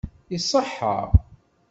Iṣeḥḥa.